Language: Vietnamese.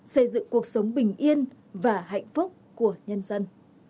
xây dựng cuộc sống bình yên và hạnh phúc của nhân dân